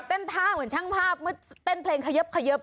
ท่าเหมือนช่างภาพเมื่อเต้นเพลงเขยับ